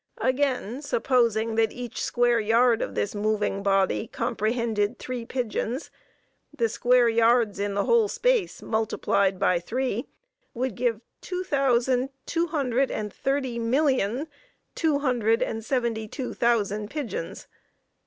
Again, supposing that each square yard of this moving body comprehended three pigeons, the square yards in the whole space, multiplied by three, would give two thousand two hundred and thirty millions, two hundred and seventy two thousand pigeons!